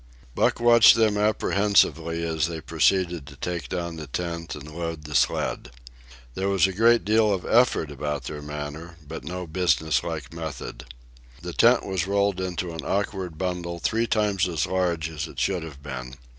Buck watched them apprehensively as they proceeded to take down the tent and load the sled. There was a great deal of effort about their manner, but no businesslike method. The tent was rolled into an awkward bundle three times as large as it should have been.